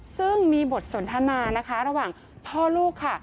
ซึ่งมีบทสนทนานะคะระหว่างพ่อลูกค่ะ